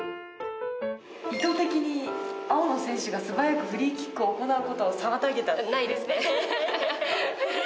意図的に青の選手が素早くフリーキックを行うことを妨げた。